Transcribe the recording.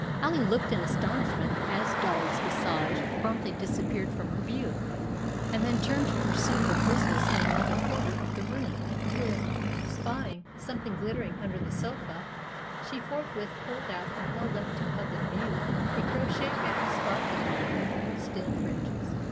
Ally looked in astonishment, as dolly's visage promptly disappeared from her view, and then turned to pursue her business in another quarter of the room, where, spying something glittering under the sofa, she forthwith pulled out and held up to public view a crochet bag sparkling with innumerable steel fringes.